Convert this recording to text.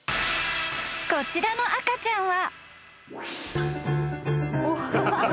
［こちらの赤ちゃんは］